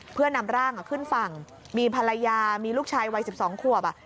เพื่อนำร่างขึ้นฝั่งมีภรรยามีลูกชายวัย๑๒ขวบ